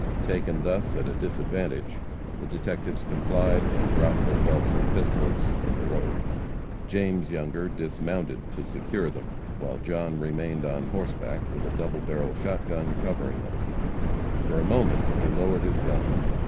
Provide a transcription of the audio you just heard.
Taken thus, at a disadvantage, the detectives complied, and dropped their belts of pistols in the road. James Younger dismounted to secure them, while John remained on horseback with a double barrel gun covering them. For a moment he lowered his gun.